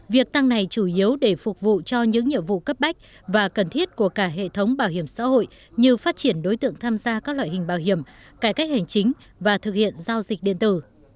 việc tăng này chủ yếu để phục vụ cho những nhiệm vụ cấp bách và cần thiết của cả hệ thống bảo hiểm xã hội như phát triển đối tượng tham gia các loại hình bảo hiểm cải cách hành chính và thực hiện giao dịch điện tử